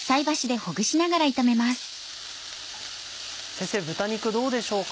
先生豚肉どうでしょうか？